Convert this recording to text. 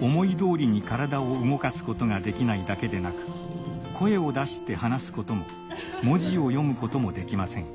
思いどおりに体を動かすことができないだけでなく声を出して話すことも文字を読むこともできません。